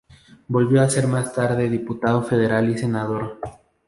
Volvió a ser más tarde diputado federal y senador.